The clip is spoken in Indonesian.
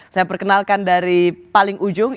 saya perkenalkan dari paling ujung